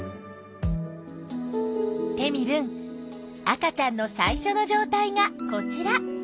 テミルン赤ちゃんの最初の状態がこちら。